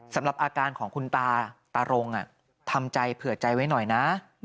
สำหรับอาการของคุณตาตารงทำใจเผื่อใจไว้หน่อยนะ